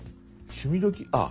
「趣味どきっ！」？